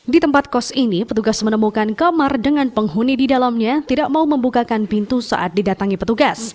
di tempat kos ini petugas menemukan kamar dengan penghuni di dalamnya tidak mau membukakan pintu saat didatangi petugas